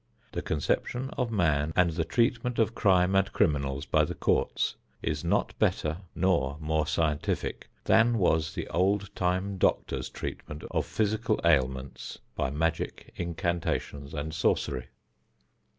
The conception of man and the treatment of crime and criminals by the courts is not better nor more scientific than was the old time doctors' treatment of physical ailments by magic, incantations and sorcery.